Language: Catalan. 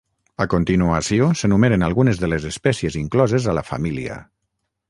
A continuació s'enumeren algunes de les espècies incloses a la família.